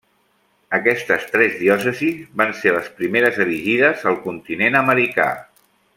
Aquestes tres diòcesis van ser les primeres erigides al continent americà.